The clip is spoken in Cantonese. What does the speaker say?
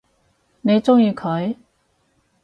你鍾意佢？